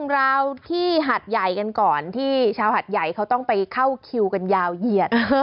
ราวที่หัดใหญ่กันก่อนที่ชาวหัดใหญ่เขาต้องไปเข้าคิวกันยาวเหยียด